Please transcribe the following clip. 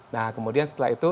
nah kemudian setelah itu